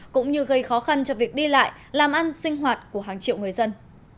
cũng như gây khó khăn cho việc đi lại làm ăn sinh hoạt của hàng triệu người dân